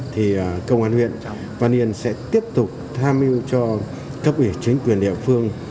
thì công an huyện văn yên sẽ tiếp tục tham mưu cho cấp ủy chính quyền địa phương